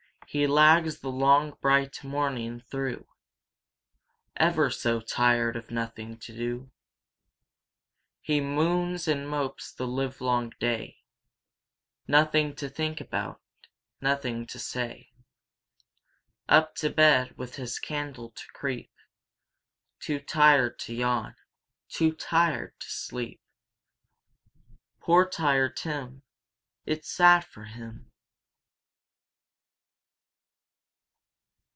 He lags the long bright morning through, Ever so tired of nothing to do; He moons and mopes the livelong day, Nothing to think about, nothing to say; Up to bed with his candle to creep, Too tired to yawn, too tired to sleep: Poor Tired Tim! It's sad for him.